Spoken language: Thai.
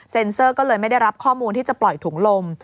เซอร์ก็เลยไม่ได้รับข้อมูลที่จะปล่อยถุงลม